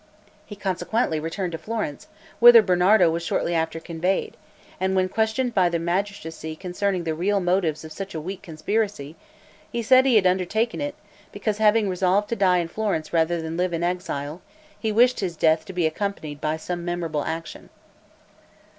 He consequently returned to Florence, whither Bernardo was shortly after conveyed, and when questioned by the magistracy concerning the real motives of such a weak conspiracy, he said, he had undertaken it, because, having resolved to die in Florence rather than live in exile, he wished his death to be accompanied by some memorable action.